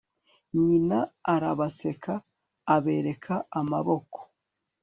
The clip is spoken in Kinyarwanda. nyina arabaseka, abereka amaboko